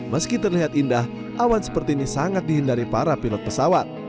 meski terlihat indah awan seperti ini sangat dihindari para pilot pesawat